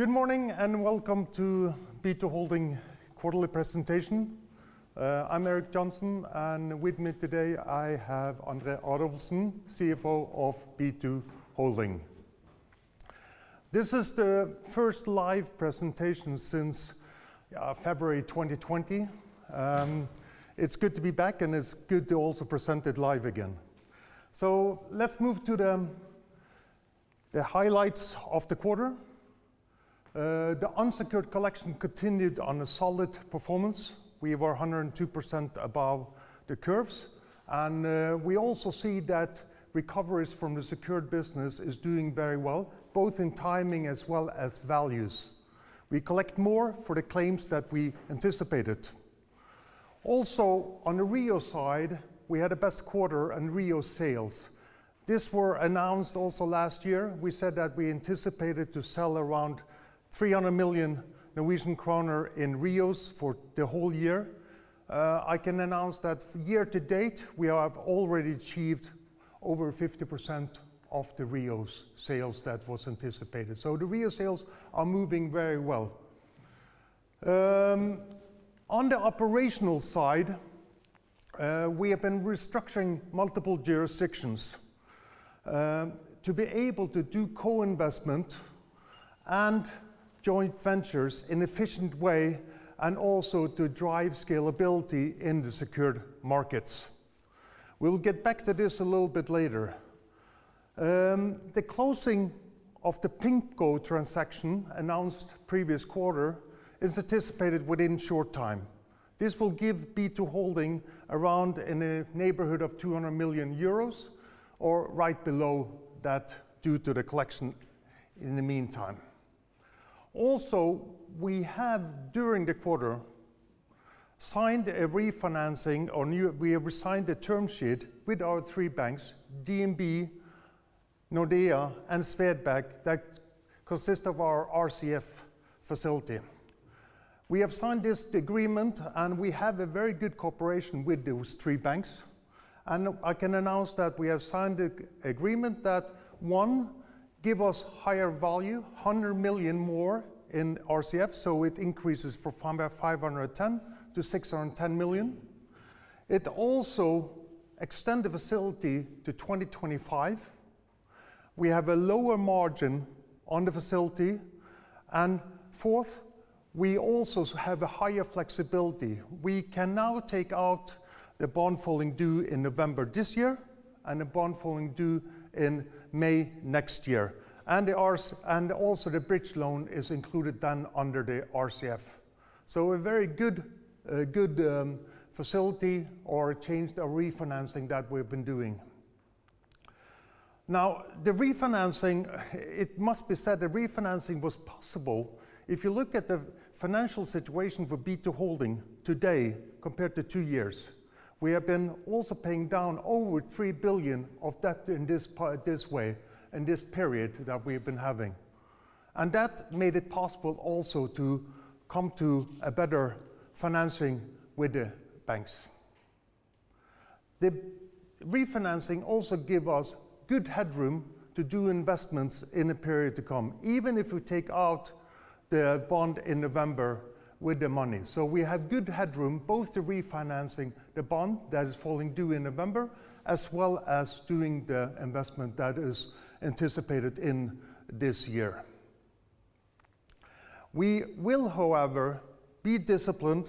Good morning and welcome to B2Holding quarterly presentation. I'm Erik Just Johnsen, and with me today, I have André Adolfsen, CFO of B2Holding. This is the first live presentation since February 2020. It's good to be back, and it's good to also present it live again. Let's move to the highlights of the quarter. The unsecured collection continued on a solid performance. We were 102% above the curves, and we also see that recoveries from the secured business is doing very well, both in timing as well as values. We collect more for the claims that we anticipated. Also, on the REO side, we had the best quarter in REO sales. This were announced also last year. We said that we anticipated to sell around 300 million Norwegian kroner in REOs for the whole year. I can announce that year to date, we have already achieved over 50% of the REOs sales that was anticipated. The REO sales are moving very well. On the operational side, we have been restructuring multiple jurisdictions to be able to do co-investment and joint ventures in efficient way and also to drive scalability in the secured markets. We'll get back to this a little bit later. The closing of the PIMCO transaction announced previous quarter is anticipated within short time. This will give B2Holding around in the neighborhood of 200 million euros or right below that due to the collection in the meantime. We have during the quarter signed a refinancing or new we have signed a term sheet with our three banks, DNB, Nordea, and Swedbank, that consist of our RCF facility. We have signed this agreement, and we have a very good cooperation with those three banks. I can announce that we have signed an agreement that one gives us higher value, 100 million more in RCF, so it increases from 510 million to 610 million. It also extends the facility to 2025. We have a lower margin on the facility. Fourth, we also have a higher flexibility. We can now take out the bond falling due in November this year and a bond falling due in May next year. The bridge loan is included then under the RCF. A very good facility or changed or refinancing that we've been doing. Now, the refinancing, it must be said the refinancing was possible. If you look at the financial situation for B2Holding today compared to two years, we have been also paying down over 3 billion of debt in this way, in this period that we've been having. That made it possible also to come to a better financing with the banks. The refinancing also give us good headroom to do investments in the period to come, even if we take out the bond in November with the money. We have good headroom, both to refinancing the bond that is falling due in November, as well as doing the investment that is anticipated in this year. We will, however, be disciplined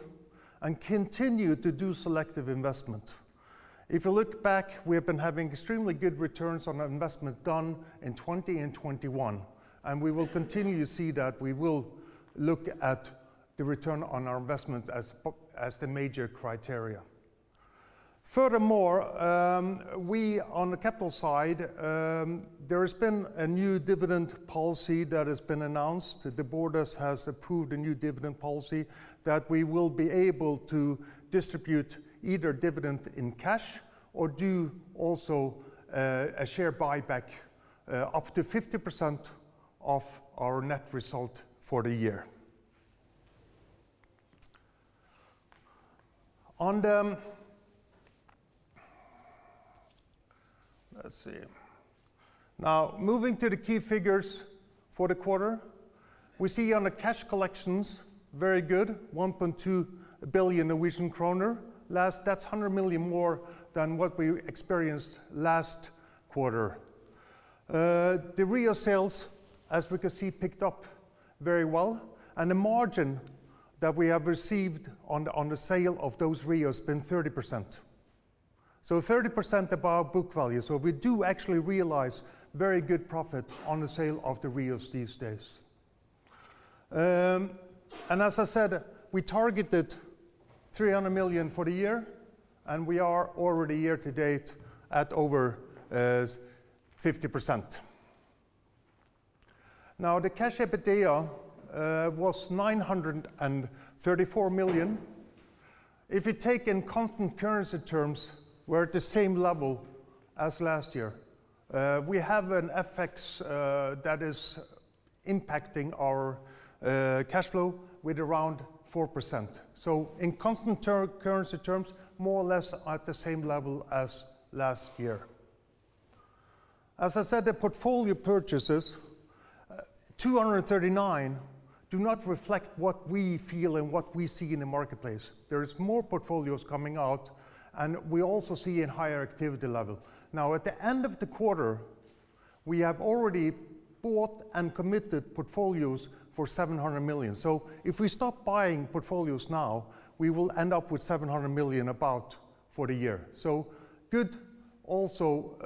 and continue to do selective investment. If you look back, we have been having extremely good returns on investment done in 2020 and 2021, and we will continue to see that we will look at the return on our investment as the major criteria. Furthermore, we on the capital side, there has been a new dividend policy that has been announced. The board has approved a new dividend policy that we will be able to distribute either dividend in cash or do also a share buyback up to 50% of our net result for the year. Now, moving to the key figures for the quarter, we see on the cash collections, very good, 1.2 billion Norwegian kroner. That's 100 million more than what we experienced last quarter. The REO sales, as we can see, picked up very well, and the margin that we have received on the sale of those REOs been 30%. Thirty percent above book value. We do actually realize very good profit on the sale of the REOs these days. As I said, we targeted 300 million for the year, and we are already year to date at over 50%. Now, the cash EBITDA was 934 million. If you take in constant currency terms, we're at the same level as last year. We have an FX that is impacting our cash flow with around 4%. In constant currency terms, more or less at the same level as last year. As I said, the portfolio purchases, 239 million, do not reflect what we feel and what we see in the marketplace. There is more portfolios coming out, and we also see a higher activity level. Now, at the end of the quarter, we have already bought and committed portfolios for 700 million. If we stop buying portfolios now, we will end up with 700 million about for the year. Good also,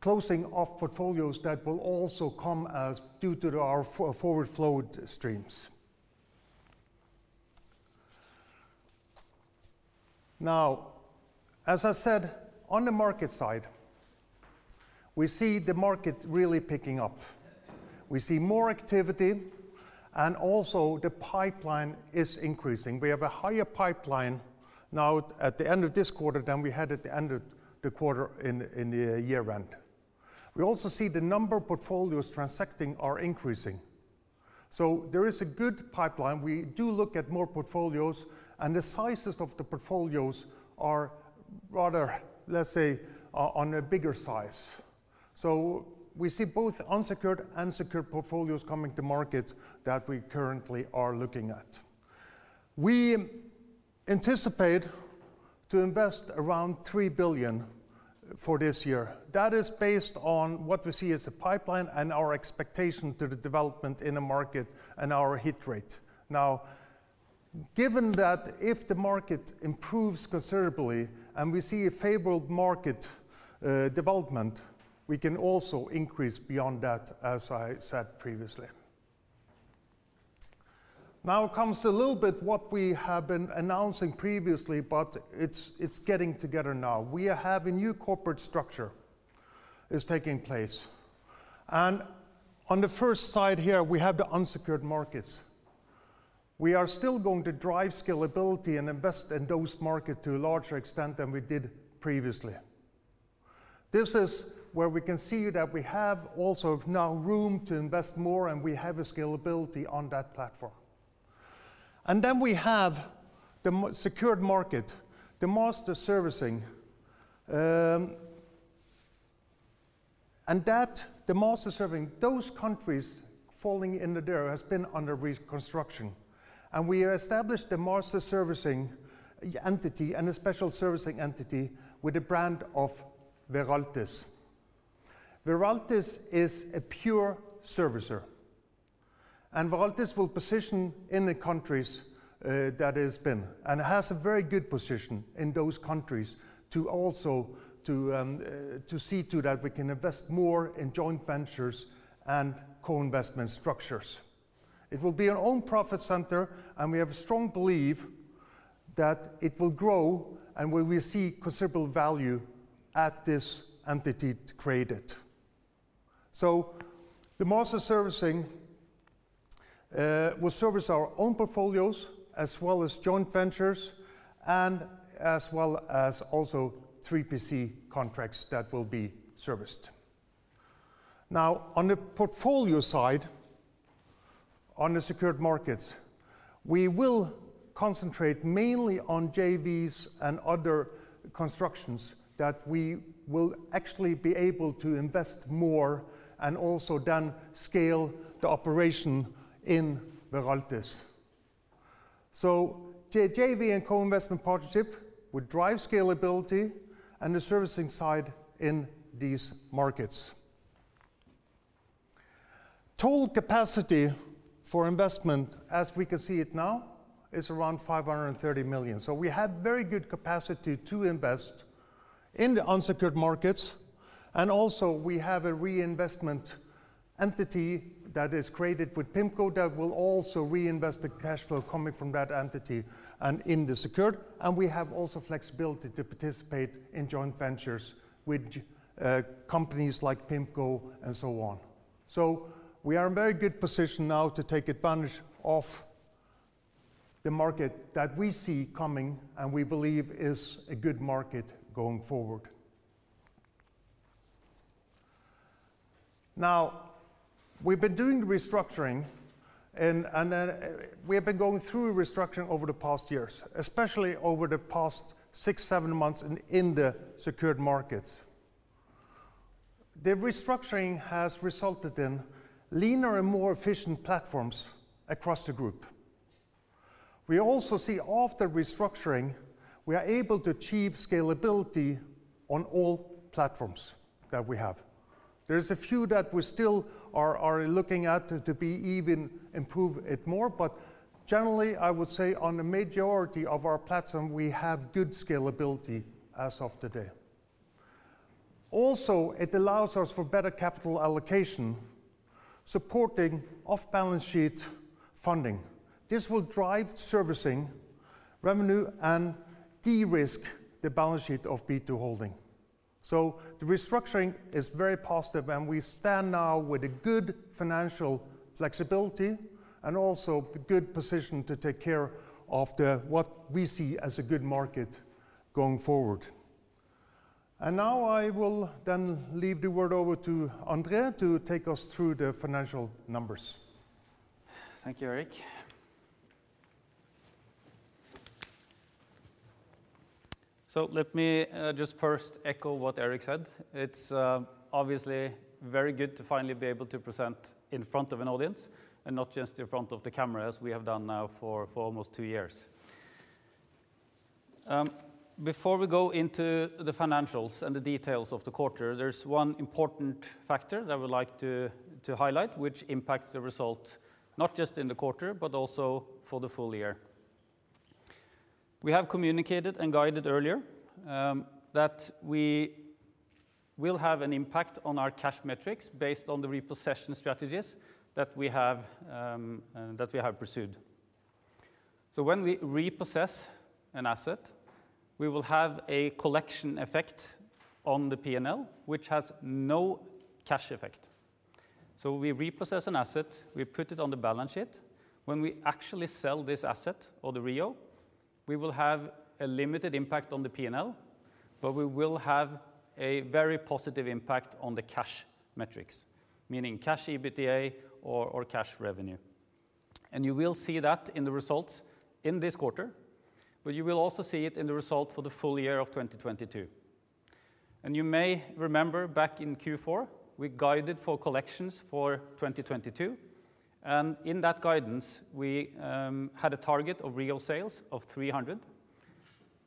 closing off portfolios that will also come as due to our forward flow streams. Now, as I said, on the market side, we see the market really picking up. We see more activity, and also the pipeline is increasing. We have a higher pipeline now at the end of this quarter than we had at the end of the quarter in the year-end. We also see the number of portfolios transacting are increasing. There is a good pipeline. We do look at more portfolios, and the sizes of the portfolios are rather, let's say, on a bigger size. We see both unsecured and secured portfolios coming to market that we currently are looking at. We anticipate to invest around 3 billion for this year. That is based on what we see as a pipeline and our expectation to the development in the market and our hit rate. Given that if the market improves considerably and we see a favorable market development, we can also increase beyond that, as I said previously. Now comes a little bit what we have been announcing previously, but it's getting together now. We have a new corporate structure is taking place. On the first side here, we have the unsecured markets. We are still going to drive scalability and invest in those markets to a larger extent than we did previously. This is where we can see that we have also now room to invest more, and we have a scalability on that platform. Then we have the secured market, the master servicing. And the master servicing, those countries falling in there has been under reconstruction. We established the master servicing entity and a special servicing entity with a brand of Veraltis. Veraltis is a pure servicer, and Veraltis will position in the countries that it's been, and it has a very good position in those countries to also see to that we can invest more in joint ventures and co-investment structures. It will be our own profit center, and we have a strong belief that it will grow and where we see considerable value at this entity created. The master servicing will service our own portfolios as well as joint ventures and as well as also 3PC contracts that will be serviced. Now, on the portfolio side, on the secured markets, we will concentrate mainly on JVs and other constructions that we will actually be able to invest more and also then scale the operation in Veraltis. JV and co-investment partnership would drive scalability and the servicing side in these markets. Total capacity for investment, as we can see it now, is around 530 million. We have very good capacity to invest in the unsecured markets. Also we have a reinvestment entity that is created with PIMCO that will also reinvest the cash flow coming from that entity and in the secured. We have also flexibility to participate in joint ventures with companies like PIMCO and so on. We are in very good position now to take advantage of the market that we see coming and we believe is a good market going forward. Now, we've been doing restructuring and we have been going through restructuring over the past years, especially over the past six-seven months in the secured markets. The restructuring has resulted in leaner and more efficient platforms across the group. We also see after restructuring, we are able to achieve scalability on all platforms that we have. There is a few that we still are looking at to be even improve it more. Generally, I would say on the majority of our platform, we have good scalability as of today. Also, it allows us for better capital allocation, supporting off-balance sheet funding. This will drive servicing revenue and de-risk the balance sheet of B2Holding. The restructuring is very positive, and we stand now with a good financial flexibility and also good position to take care of what we see as a good market going forward. Now I will then leave the word over to André to take us through the financial numbers. Thank you, Erik. Let me just first echo what Erik said. It's obviously very good to finally be able to present in front of an audience and not just in front of the camera as we have done now for almost two years. Before we go into the financials and the details of the quarter, there's one important factor that I would like to highlight which impacts the result, not just in the quarter, but also for the full year. We have communicated and guided earlier that we will have an impact on our cash metrics based on the repossession strategies that we have and that we have pursued. When we repossess an asset, we will have a collection effect on the P&L, which has no cash effect. We repossess an asset, we put it on the balance sheet. When we actually sell this asset or the REO, we will have a limited impact on the P&L, but we will have a very positive impact on the cash metrics, meaning cash EBITDA or cash revenue. You will see that in the results in this quarter, but you will also see it in the result for the full year of 2022. You may remember back in Q4, we guided for collections for 2022. In that guidance, we had a target of REO sales of 300,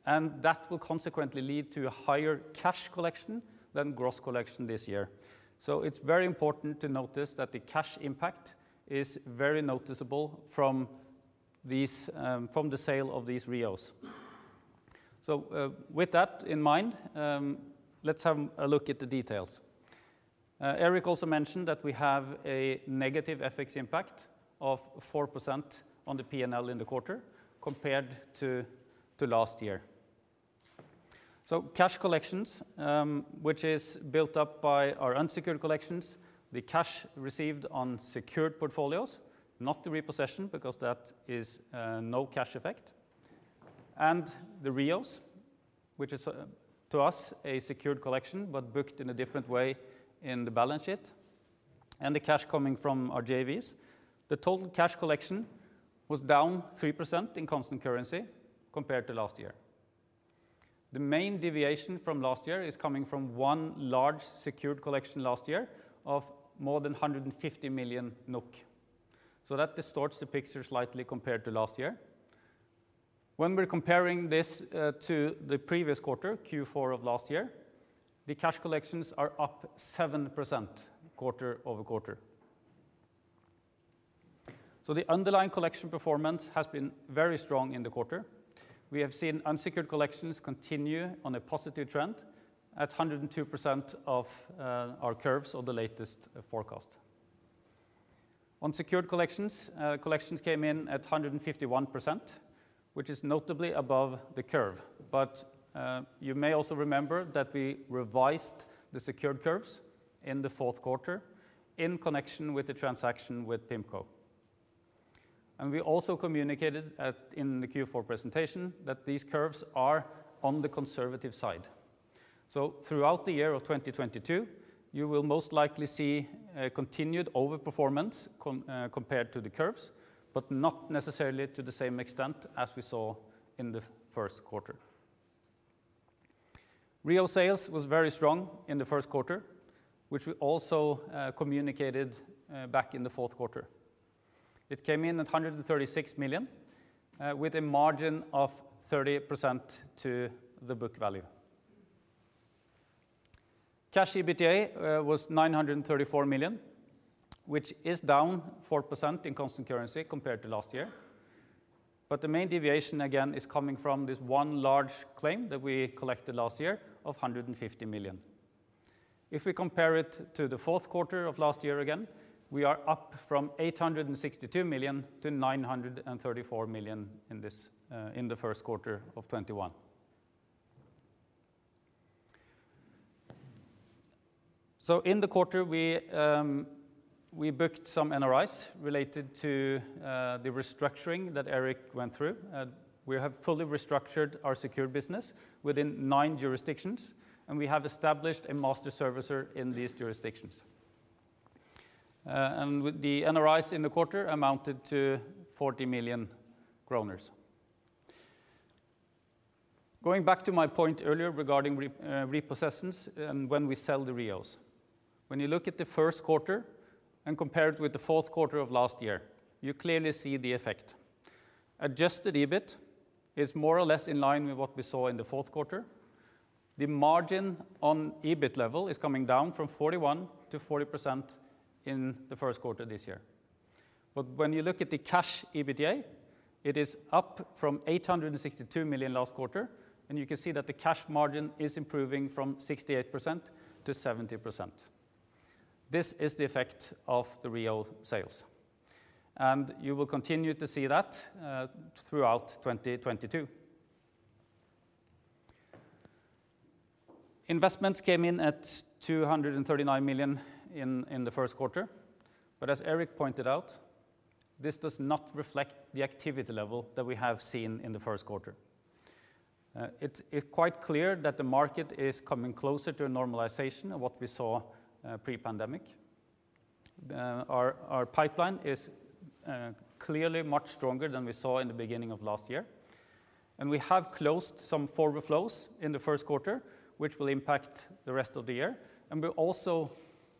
and that will consequently lead to a higher cash collection than gross collection this year. It's very important to notice that the cash impact is very noticeable from the sale of these REOs. With that in mind, let's have a look at the details. Erik also mentioned that we have a negative FX impact of 4% on the P&L in the quarter compared to last year. Cash collections, which is built up by our unsecured collections, the cash received on secured portfolios, not the repossession because that is no cash effect, and the REOs, which is to us a secured collection but booked in a different way in the balance sheet, and the cash coming from our JVs. The total cash collection was down 3% in constant currency compared to last year. The main deviation from last year is coming from one large secured collection last year of more than 150 million NOK. That distorts the picture slightly compared to last year. When we're comparing this to the previous quarter, Q4 of last year, the cash collections are up 7% quarter over quarter. The underlying collection performance has been very strong in the quarter. We have seen unsecured collections continue on a positive trend at 102% of our curves or the latest forecast. On secured collections came in at 151%, which is notably above the curve. You may also remember that we revised the secured curves in the fourth quarter in connection with the transaction with PIMCO. We also communicated in the Q4 presentation that these curves are on the conservative side. Throughout the year of 2022, you will most likely see a continued over-performance compared to the curves, but not necessarily to the same extent as we saw in the first quarter. REO sales was very strong in the first quarter, which we also communicated back in the fourth quarter. It came in at 136 million with a margin of 30% to the book value. Cash EBITDA was 934 million, which is down 4% in constant currency compared to last year. The main deviation again is coming from this one large claim that we collected last year of 150 million. If we compare it to the fourth quarter of last year again, we are up from 862 million to 934 million in this, in the first quarter of 2021. In the quarter, we booked some NRIs related to the restructuring that Erik went through. We have fully restructured our secured business within nine jurisdictions, and we have established a master servicer in these jurisdictions. The NRIs in the quarter amounted to 40 million kroner. Going back to my point earlier regarding repossessions and when we sell the REOs. When you look at the first quarter and compare it with the fourth quarter of last year, you clearly see the effect. Adjusted EBIT is more or less in line with what we saw in the fourth quarter. The margin on EBIT level is coming down from 41%-40% in the first quarter this year. When you look at the cash EBITDA, it is up from 862 million last quarter, and you can see that the cash margin is improving from 68%-70%. This is the effect of the REO sales, and you will continue to see that throughout 2022. Investments came in at 239 million in the first quarter. As Erik pointed out, this does not reflect the activity level that we have seen in the first quarter. It's quite clear that the market is coming closer to a normalization of what we saw pre-pandemic. Our pipeline is clearly much stronger than we saw in the beginning of last year, and we have closed some forward flows in the first quarter, which will impact the rest of the year. We also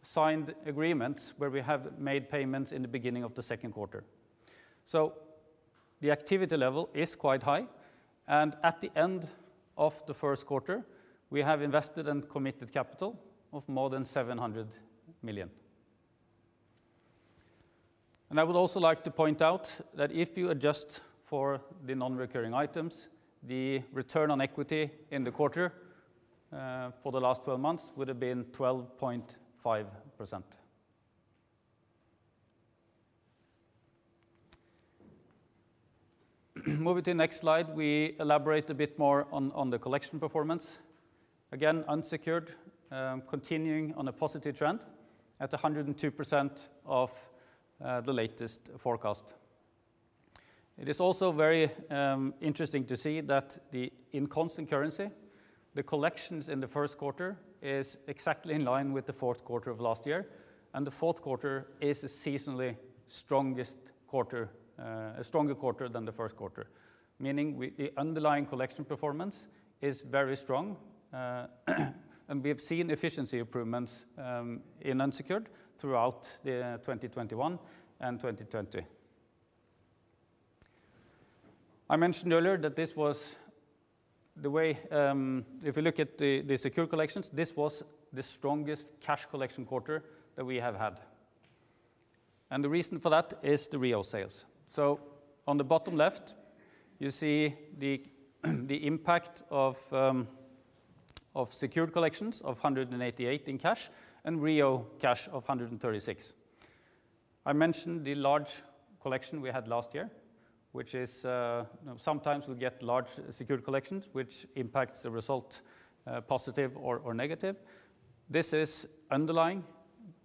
signed agreements where we have made payments in the beginning of the second quarter. The activity level is quite high, and at the end of the first quarter, we have invested and committed capital of more than 700 million. I would also like to point out that if you adjust for the non-recurring items, the return on equity in the quarter for the last 12 months would have been 12.5%. Moving to the next slide, we elaborate a bit more on the collection performance. Again, unsecured continuing on a positive trend at 102% of the latest forecast. It is also very interesting to see that, in constant currency, the collections in the first quarter is exactly in line with the fourth quarter of last year, and the fourth quarter is a seasonally strongest quarter, a stronger quarter than the first quarter, meaning the underlying collection performance is very strong, and we have seen efficiency improvements in unsecured throughout 2021 and 2020. I mentioned earlier that this was the way, if you look at the secured collections, this was the strongest cash collection quarter that we have had. The reason for that is the REO sales. On the bottom left, you see the impact of secured collections of 188 million in cash and REO cash of 136 million. I mentioned the large collection we had last year, which is, you know sometimes we get large secured collections which impacts the result, positive or negative. This is underlying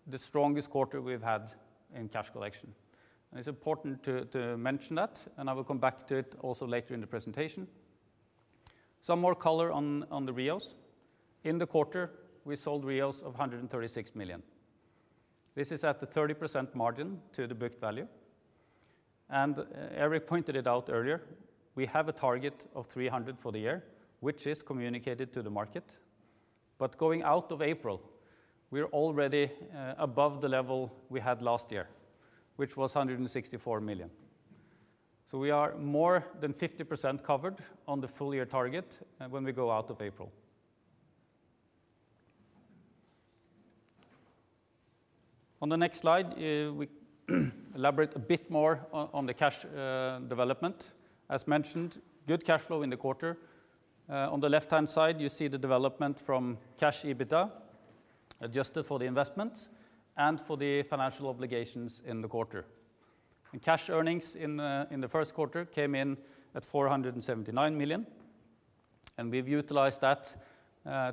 the strongest quarter we've had in cash collection. It's important to mention that, and I will come back to it also later in the presentation. Some more color on the REOs. In the quarter, we sold REOs of 136 million. This is at the 30% margin to the book value. Erik pointed it out earlier, we have a target of 300 for the year, which is communicated to the market. Going out of April, we're already above the level we had last year, which was 164 million. We are more than 50% covered on the full year target and when we go out of April. On the next slide, we elaborate a bit more on the cash development. As mentioned, good cash flow in the quarter. On the left-hand side, you see the development from cash EBITDA, adjusted for the investment and for the financial obligations in the quarter. Cash earnings in the first quarter came in at 479 million, and we've utilized that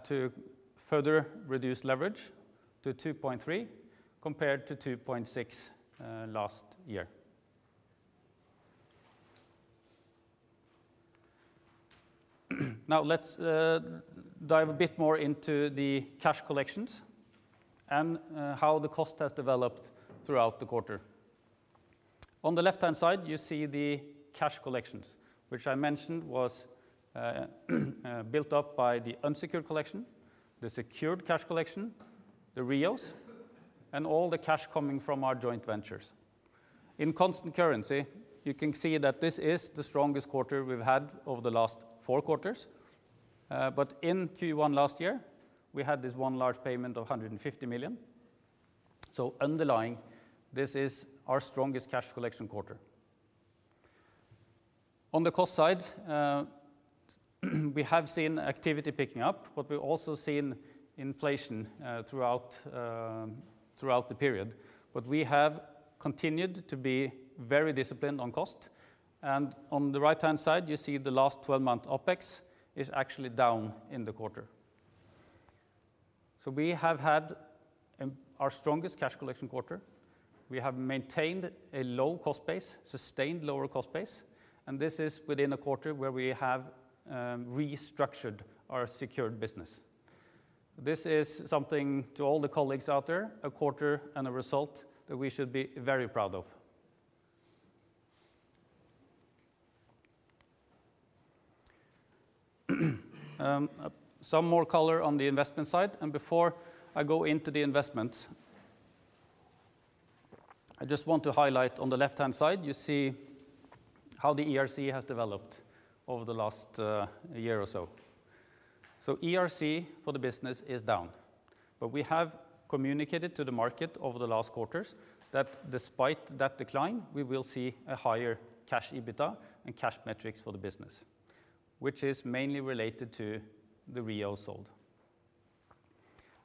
to further reduce leverage to 2.3 compared to 2.6 last year. Now let's dive a bit more into the cash collections and how the cost has developed throughout the quarter. On the left-hand side, you see the cash collections, which I mentioned was built up by the unsecured collection, the secured cash collection, the REOs, and all the cash coming from our joint ventures. In constant currency, you can see that this is the strongest quarter we've had over the last four quarters. In Q1 last year, we had this one large payment of 150 million. Underlying, this is our strongest cash collection quarter. On the cost side, we have seen activity picking up, but we've also seen inflation throughout the period. We have continued to be very disciplined on cost. On the right-hand side, you see the last twelve-month Opex is actually down in the quarter. We have had our strongest cash collection quarter. We have maintained a low cost base, sustained lower cost base, and this is within a quarter where we have restructured our secured business. This is something to all the colleagues out there, a quarter and a result that we should be very proud of. Some more color on the investment side. Before I go into the investments, I just want to highlight on the left-hand side, you see how the ERC has developed over the last year or so. ERC for the business is down, but we have communicated to the market over the last quarters that despite that decline, we will see a higher cash EBITDA and cash metrics for the business, which is mainly related to the REO sold.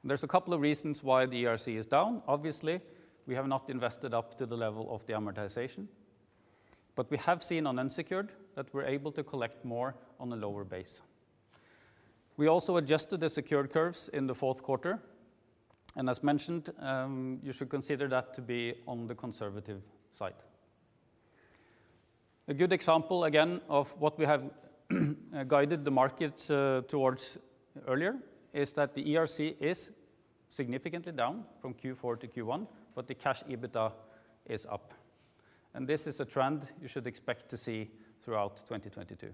There's a couple of reasons why the ERC is down. Obviously, we have not invested up to the level of the amortization, but we have seen on unsecured that we're able to collect more on a lower base. We also adjusted the secured curves in the fourth quarter, and as mentioned, you should consider that to be on the conservative side. A good example, again, of what we have guided the market towards earlier is that the ERC is significantly down from Q4 to Q1, but the cash EBITDA is up. This is a trend you should expect to see throughout 2022.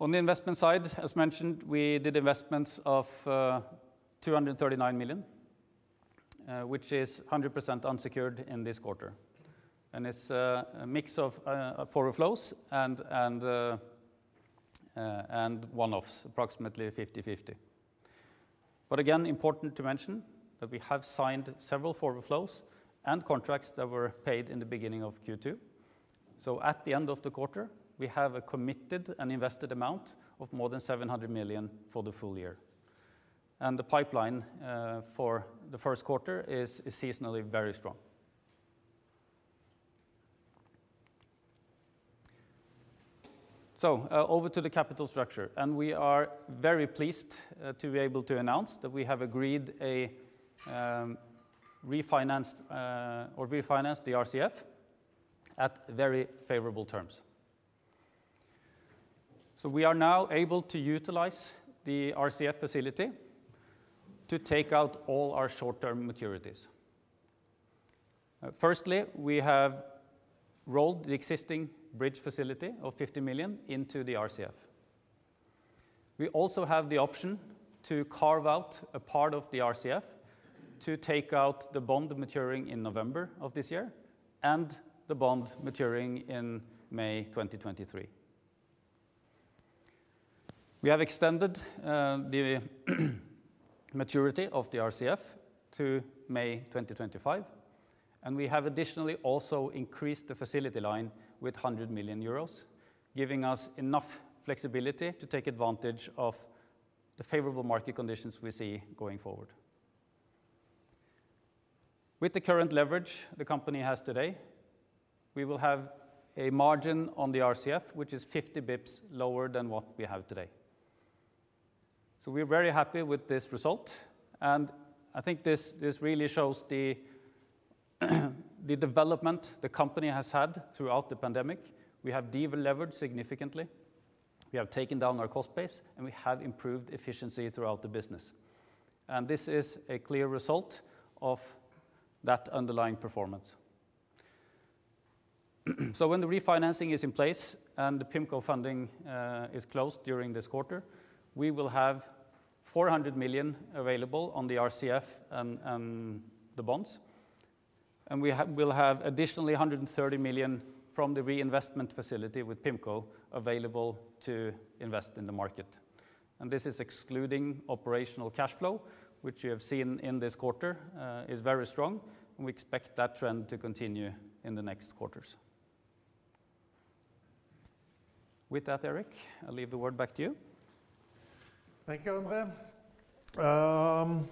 On the investment side, as mentioned, we did investments of 239 million, which is 100% unsecured in this quarter. It's a mix of forward flows and one-offs, approximately 50-50. Again, important to mention that we have signed several forward flows and contracts that were paid in the beginning of Q2. At the end of the quarter, we have a committed and invested amount of more than 700 million for the full year. The pipeline for the first quarter is seasonally very strong. Over to the capital structure. We are very pleased to be able to announce that we have agreed to refinance the RCF at very favorable terms. We are now able to utilize the RCF facility to take out all our short-term maturities. Firstly, we have rolled the existing bridge facility of 50 million into the RCF. We also have the option to carve out a part of the RCF to take out the bond maturing in November of this year and the bond maturing in May 2023. We have extended the maturity of the RCF to May 2025, and we have additionally also increased the facility line with 100 million euros, giving us enough flexibility to take advantage of the favorable market conditions we see going forward. With the current leverage the company has today, we will have a margin on the RCF, which is 50 basis points lower than what we have today. We're very happy with this result, and I think this really shows the development the company has had throughout the pandemic. We have de-leveraged significantly, we have taken down our cost base, and we have improved efficiency throughout the business. This is a clear result of that underlying performance. When the refinancing is in place and the PIMCO funding is closed during this quarter, we will have 400 million available on the RCF and the bonds. We'll have additionally 130 million from the reinvestment facility with PIMCO available to invest in the market. This is excluding operational cash flow, which you have seen in this quarter, is very strong, and we expect that trend to continue in the next quarters. With that, Erik, I leave the word back to you. Thank you, André.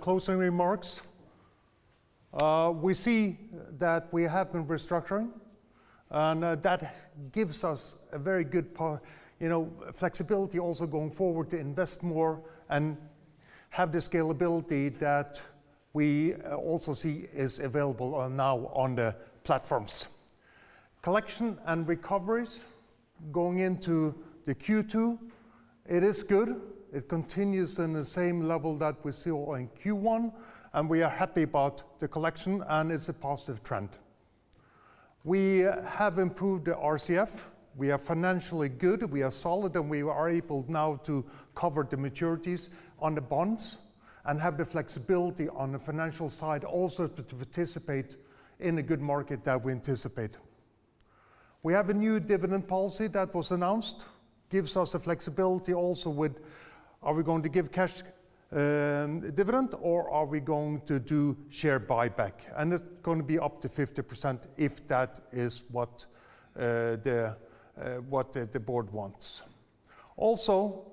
Closing remarks. We see that we have been restructuring, and that gives us a very good, you know, flexibility also going forward to invest more and have the scalability that we also see is available now on the platforms. Collection and recoveries going into the Q2, it is good. It continues in the same level that we saw in Q1, and we are happy about the collection, and it's a positive trend. We have improved the RCF. We are financially good, we are solid, and we are able now to cover the maturities on the bonds and have the flexibility on the financial side also to participate in a good market that we anticipate. We have a new dividend policy that was announced. Gives us the flexibility also with, are we going to give cash dividend or are we going to do share buyback? It's going to be up to 50% if that is what the board wants. Also,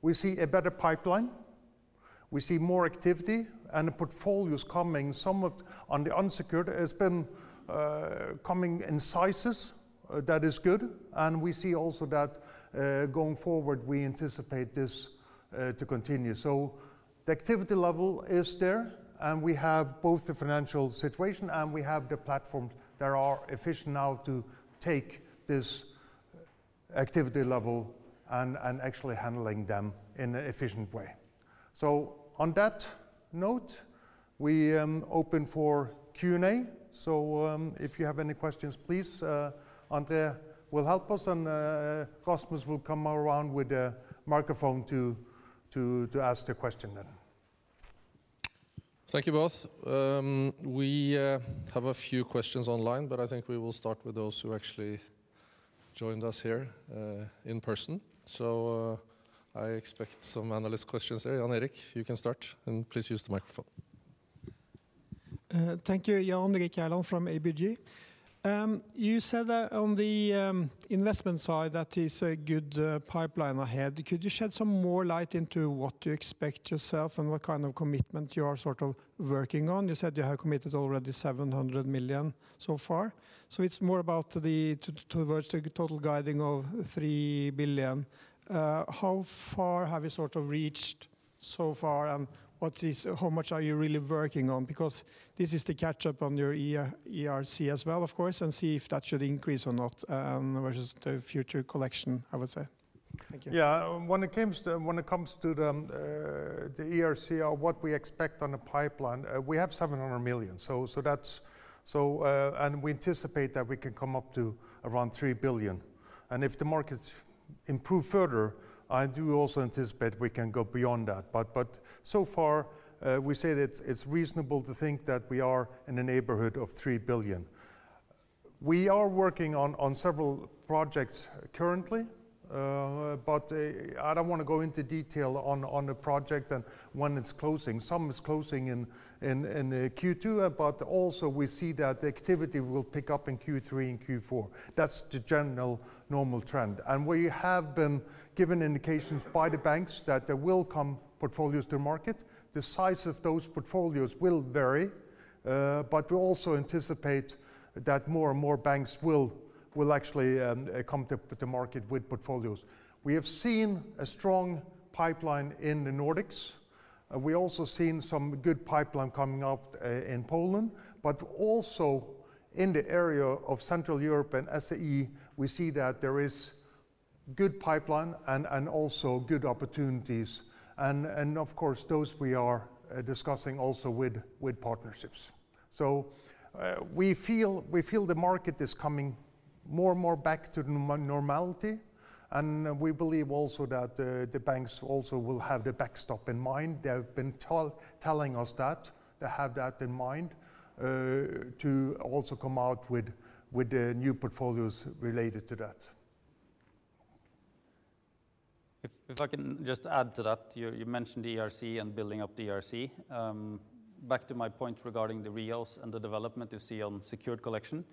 we see a better pipeline. We see more activity and the portfolios coming somewhat on the unsecured has been coming in sizes. That is good. We see also that going forward, we anticipate this to continue. The activity level is there and we have both the financial situation and we have the platforms that are efficient now to take this activity level and actually handling them in an efficient way. On that note, we open for Q&A. If you have any questions, please, André will help us and Cosmos will come around with a microphone to ask the question then. Thank you both. We have a few questions online, but I think we will start with those who actually joined us here in person. I expect some analyst questions there. Jan Erik, you can start, and please use the microphone. Thank you. Jan Erik Gjerland from ABG. You said, on the investment side that it's a good pipeline ahead. Could you shed some more light into what you expect yourself and what kind of commitment you are sort of working on? You said you have committed already 700 million so far. So it's more about to, towards the total guiding of 3 billion. How far have you sort of reached Far and what is, how much are you really working on? Because this is the catch up on your ERC as well, of course, and see if that should increase or not, versus the future collection, I would say. Thank you. Yeah. When it comes to the ERC or what we expect on the pipeline, we have 700 million and we anticipate that we can come up to around 3 billion. If the markets improve further, I do also anticipate we can go beyond that. So far, we say that it's reasonable to think that we are in the neighborhood of 3 billion. We are working on several projects currently, but I don't wanna go into detail on the project and when it's closing. Some is closing in Q2, but also we see that the activity will pick up in Q3 and Q4. That's the general normal trend. We have been given indications by the banks that there will come portfolios to market. The size of those portfolios will vary, but we also anticipate that more and more banks will actually come to market with portfolios. We have seen a strong pipeline in the Nordics. We have also seen some good pipeline coming up in Poland, but also in the area of Central Europe and SEE, we see that there is good pipeline and also good opportunities. Of course, those we are discussing also with partnerships. We feel the market is coming more and more back to normality, and we believe also that the banks also will have the backstop in mind. They have been telling us that they have that in mind to also come out with the new portfolios related to that. If I can just add to that. You mentioned ERC and building up ERC. Back to my point regarding the REOs and the development you see on secured collections,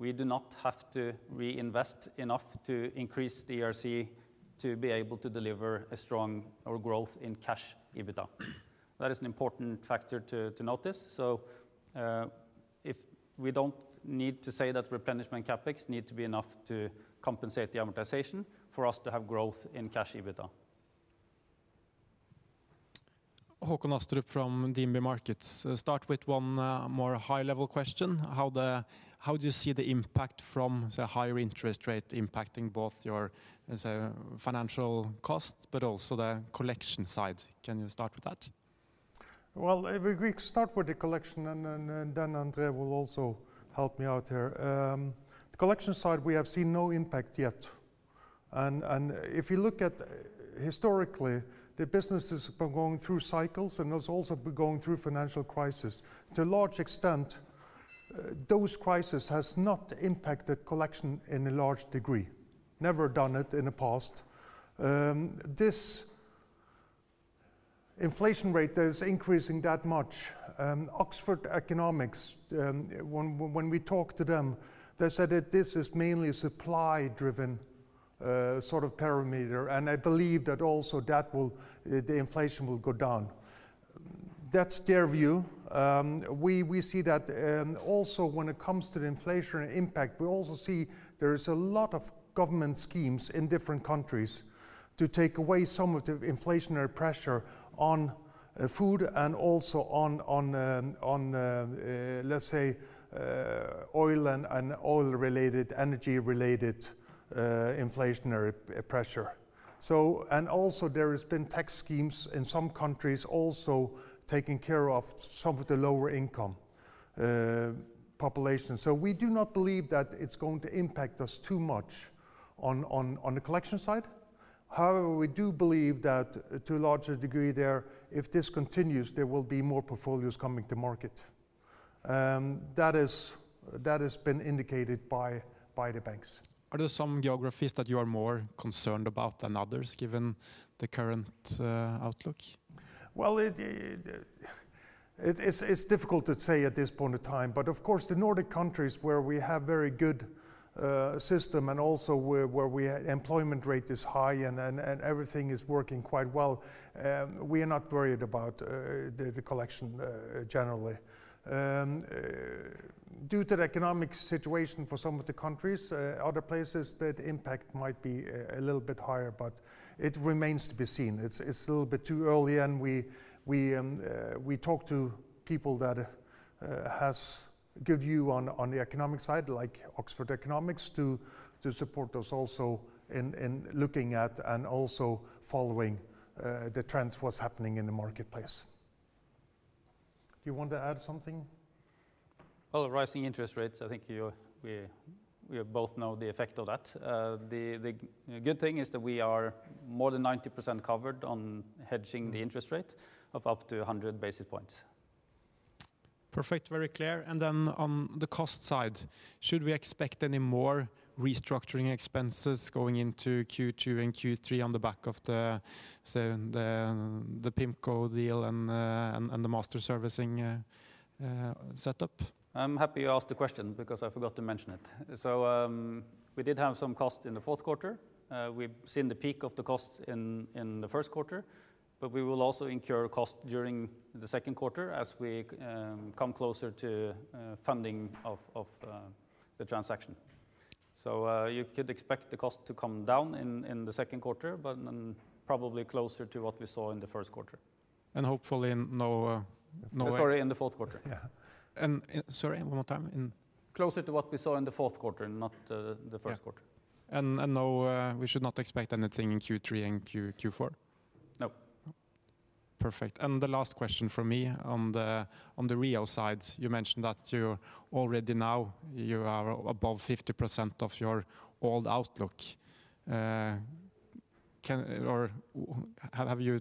we do not have to reinvest enough to increase the ERC to be able to deliver a strong growth in cash EBITDA. That is an important factor to notice. If we don't need to say that replenishment CapEx need to be enough to compensate the amortization for us to have growth in cash EBITDA. Håkon Astrup from DNB Markets. Start with one more high level question. How do you see the impact from the higher interest rate impacting both your, let's say, financial costs, but also the collection side? Can you start with that? Well, if we start with the collection and then André Adolfsen will also help me out here. The collection side, we have seen no impact yet. If you look at historically, the business has been going through cycles, and it's also been going through financial crises. To a large extent, those crises have not impacted collection in a large degree. Never done it in the past. This inflation rate that is increasing that much, Oxford Economics, when we talk to them, they said that this is mainly supply driven, sort of parameter. I believe the inflation will go down. That's their view. We see that also when it comes to the inflation impact, we also see there is a lot of government schemes in different countries to take away some of the inflationary pressure on food and also on oil and oil related, energy related inflationary pressure. There has been tax schemes in some countries also taking care of some of the lower income population. We do not believe that it's going to impact us too much on the collection side. However, we do believe that to a larger degree there, if this continues, there will be more portfolios coming to market. That has been indicated by the banks. Are there some geographies that you are more concerned about than others given the current outlook? Well, it's difficult to say at this point in time. Of course, the Nordic countries where we have very good system and also where employment rate is high and everything is working quite well, we are not worried about the collection generally. Due to the economic situation for some of the countries, other places, that impact might be a little bit higher, but it remains to be seen. It's a little bit too early, and we talk to people that has good view on the economic side, like Oxford Economics, to support us also in looking at and also following the trends, what's happening in the marketplace. You want to add something? Well, the rising interest rates, I think we both know the effect of that. The good thing is that we are more than 90% covered on hedging the interest rate of up to 100 basis points. Perfect. Very clear. Then on the cost side, should we expect any more restructuring expenses going into Q2 and Q3 on the back of, say, the PIMCO deal and the master servicing setup? I'm happy you asked the question because I forgot to mention it. We did have some cost in the fourth quarter. We've seen the peak of the cost in the first quarter, but we will also incur cost during the second quarter as we come closer to funding of the transaction. You could expect the cost to come down in the second quarter, but then probably closer to what we saw in the first quarter. Hopefully in no way- Sorry, in the fourth quarter. Yeah. Sorry, one more time. Closer to what we saw in the fourth quarter, not the first quarter. Yeah. No, we should not expect anything in Q3 and Q4? No. Perfect. The last question from me on the REO side. You mentioned that you already now you are above 50% of your old outlook. Have you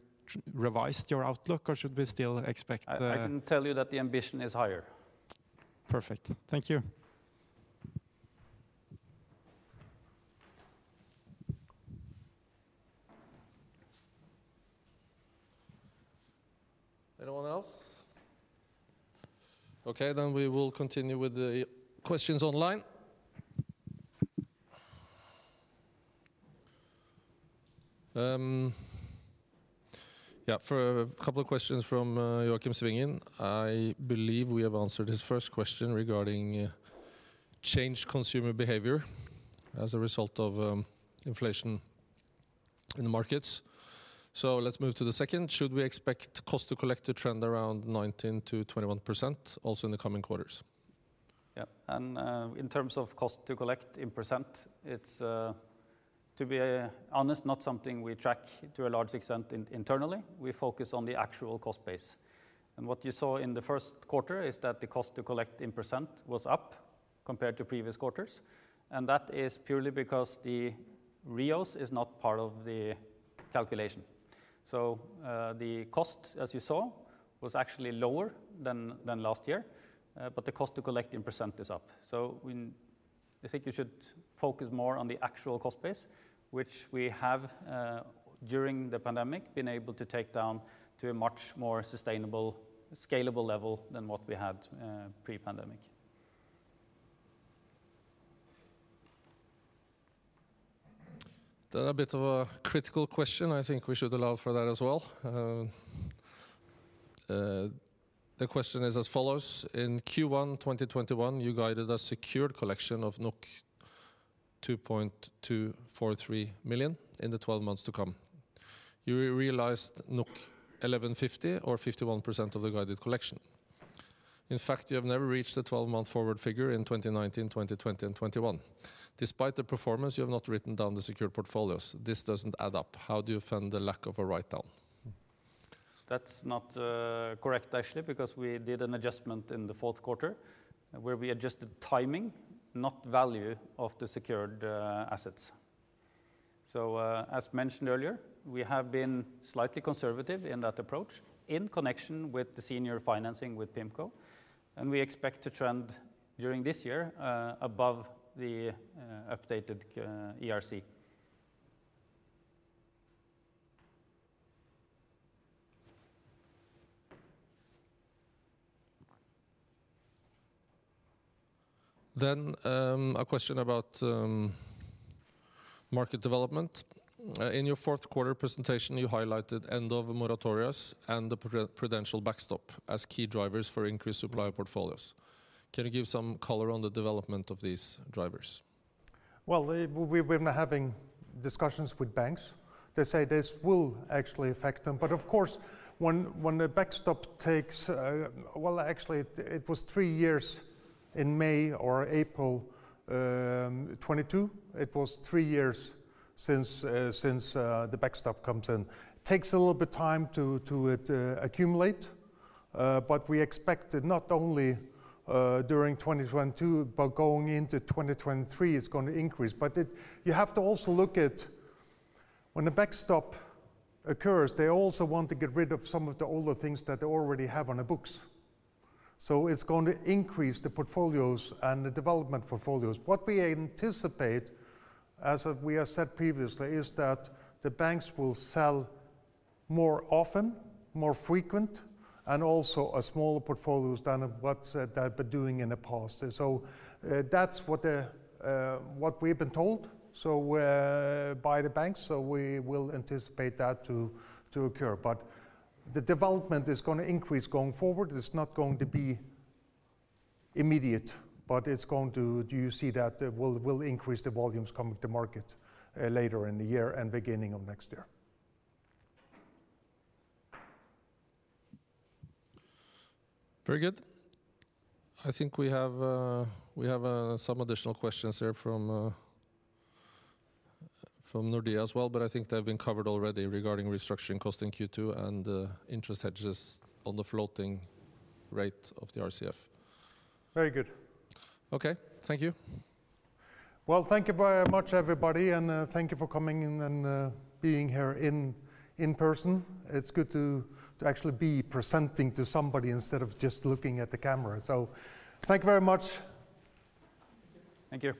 revised your outlook or should we still expect the- I can tell you that the ambition is higher. Perfect. Thank you. Anyone else? Okay, we will continue with the questions online. For a couple of questions from Joachim Svingen. I believe we have answered his first question regarding change in consumer behavior as a result of inflation in the markets. Let's move to the second. Should we expect cost to collect to trend around 19%-21% also in the coming quarters? Yeah. In terms of cost to collect in %, it's to be honest not something we track to a large extent internally. We focus on the actual cost base. What you saw in the first quarter is that the cost to collect in % was up compared to previous quarters. That is purely because the REOs is not part of the calculation. The cost, as you saw, was actually lower than last year, but the cost to collect in % is up. I think you should focus more on the actual cost base, which we have during the pandemic been able to take down to a much more sustainable scalable level than what we had pre-pandemic. There are a bit of a critical question. I think we should allow for that as well. The question is as follows: In Q1 2021, you guided a secured collection of 2.243 million in the twelve months to come. You realized 1,150 or 51% of the guided collection. In fact, you have never reached the twelve-month forward figure in 2019, 2020 and 2021. Despite the performance, you have not written down the secured portfolios. This doesn't add up. How do you fund the lack of a write-down? That's not correct, actually, because we did an adjustment in the fourth quarter where we adjusted timing, not value of the secured assets. As mentioned earlier, we have been slightly conservative in that approach in connection with the senior financing with PIMCO, and we expect to trend during this year above the updated ERC. A question about market development. In your fourth quarter presentation, you highlighted end of the moratoria and the prudential backstop as key drivers for increased supply portfolios. Can you give some color on the development of these drivers? Well, we've been having discussions with banks. They say this will actually affect them. Of course, when the backstop takes. Well, actually it was three years in May or April 2022. It was three years since the backstop comes in. Takes a little bit of time to accumulate, but we expect it not only during 2022, but going into 2023, it's gonna increase. You have to also look at when the backstop occurs, they also want to get rid of some of the older things that they already have on the books. It's going to increase the portfolios and the development portfolios. What we anticipate, as we have said previously, is that the banks will sell more often, more frequent, and also smaller portfolios than what they have been doing in the past. That's what we've been told by the banks, so we will anticipate that to occur. The development is gonna increase going forward. It's not going to be immediate, but it's going to, you see, that will increase the volumes coming to market later in the year and beginning of next year. Very good. I think we have some additional questions here from Nordea as well, but I think they've been covered already regarding restructuring cost in Q2 and interest hedges on the floating rate of the RCF. Very good. Okay. Thank you. Well, thank you very much, everybody, and thank you for coming in and being here in person. It's good to actually be presenting to somebody instead of just looking at the camera. Thank you very much. Thank you.